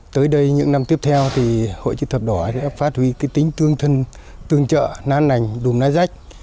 tới đây những năm tiếp theo hội chữ thập đỏ sẽ phát huy tính tương trợ nan nành đùm nai rách